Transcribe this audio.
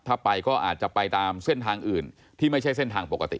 ถ้าไปก็อาจจะไปตามเส้นทางอื่นที่ไม่ใช่เส้นทางปกติ